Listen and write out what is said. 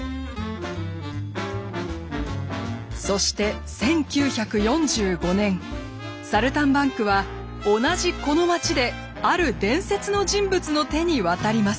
そして１９４５年「サルタンバンク」は同じこの街である伝説の人物の手に渡ります。